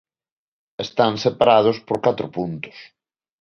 Están separados por catro puntos.